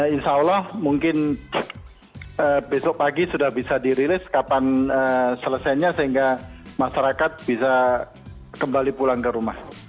insya allah mungkin besok pagi sudah bisa dirilis kapan selesainya sehingga masyarakat bisa kembali pulang ke rumah